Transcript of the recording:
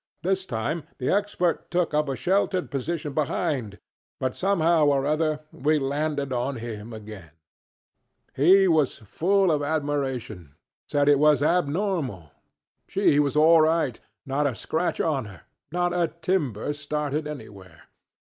This time the Expert took up a sheltered position behind, but somehow or other we landed on him again. He was full of surprised admiration; said it was abnormal. She was all right, not a scratch on her, not a timber started anywhere.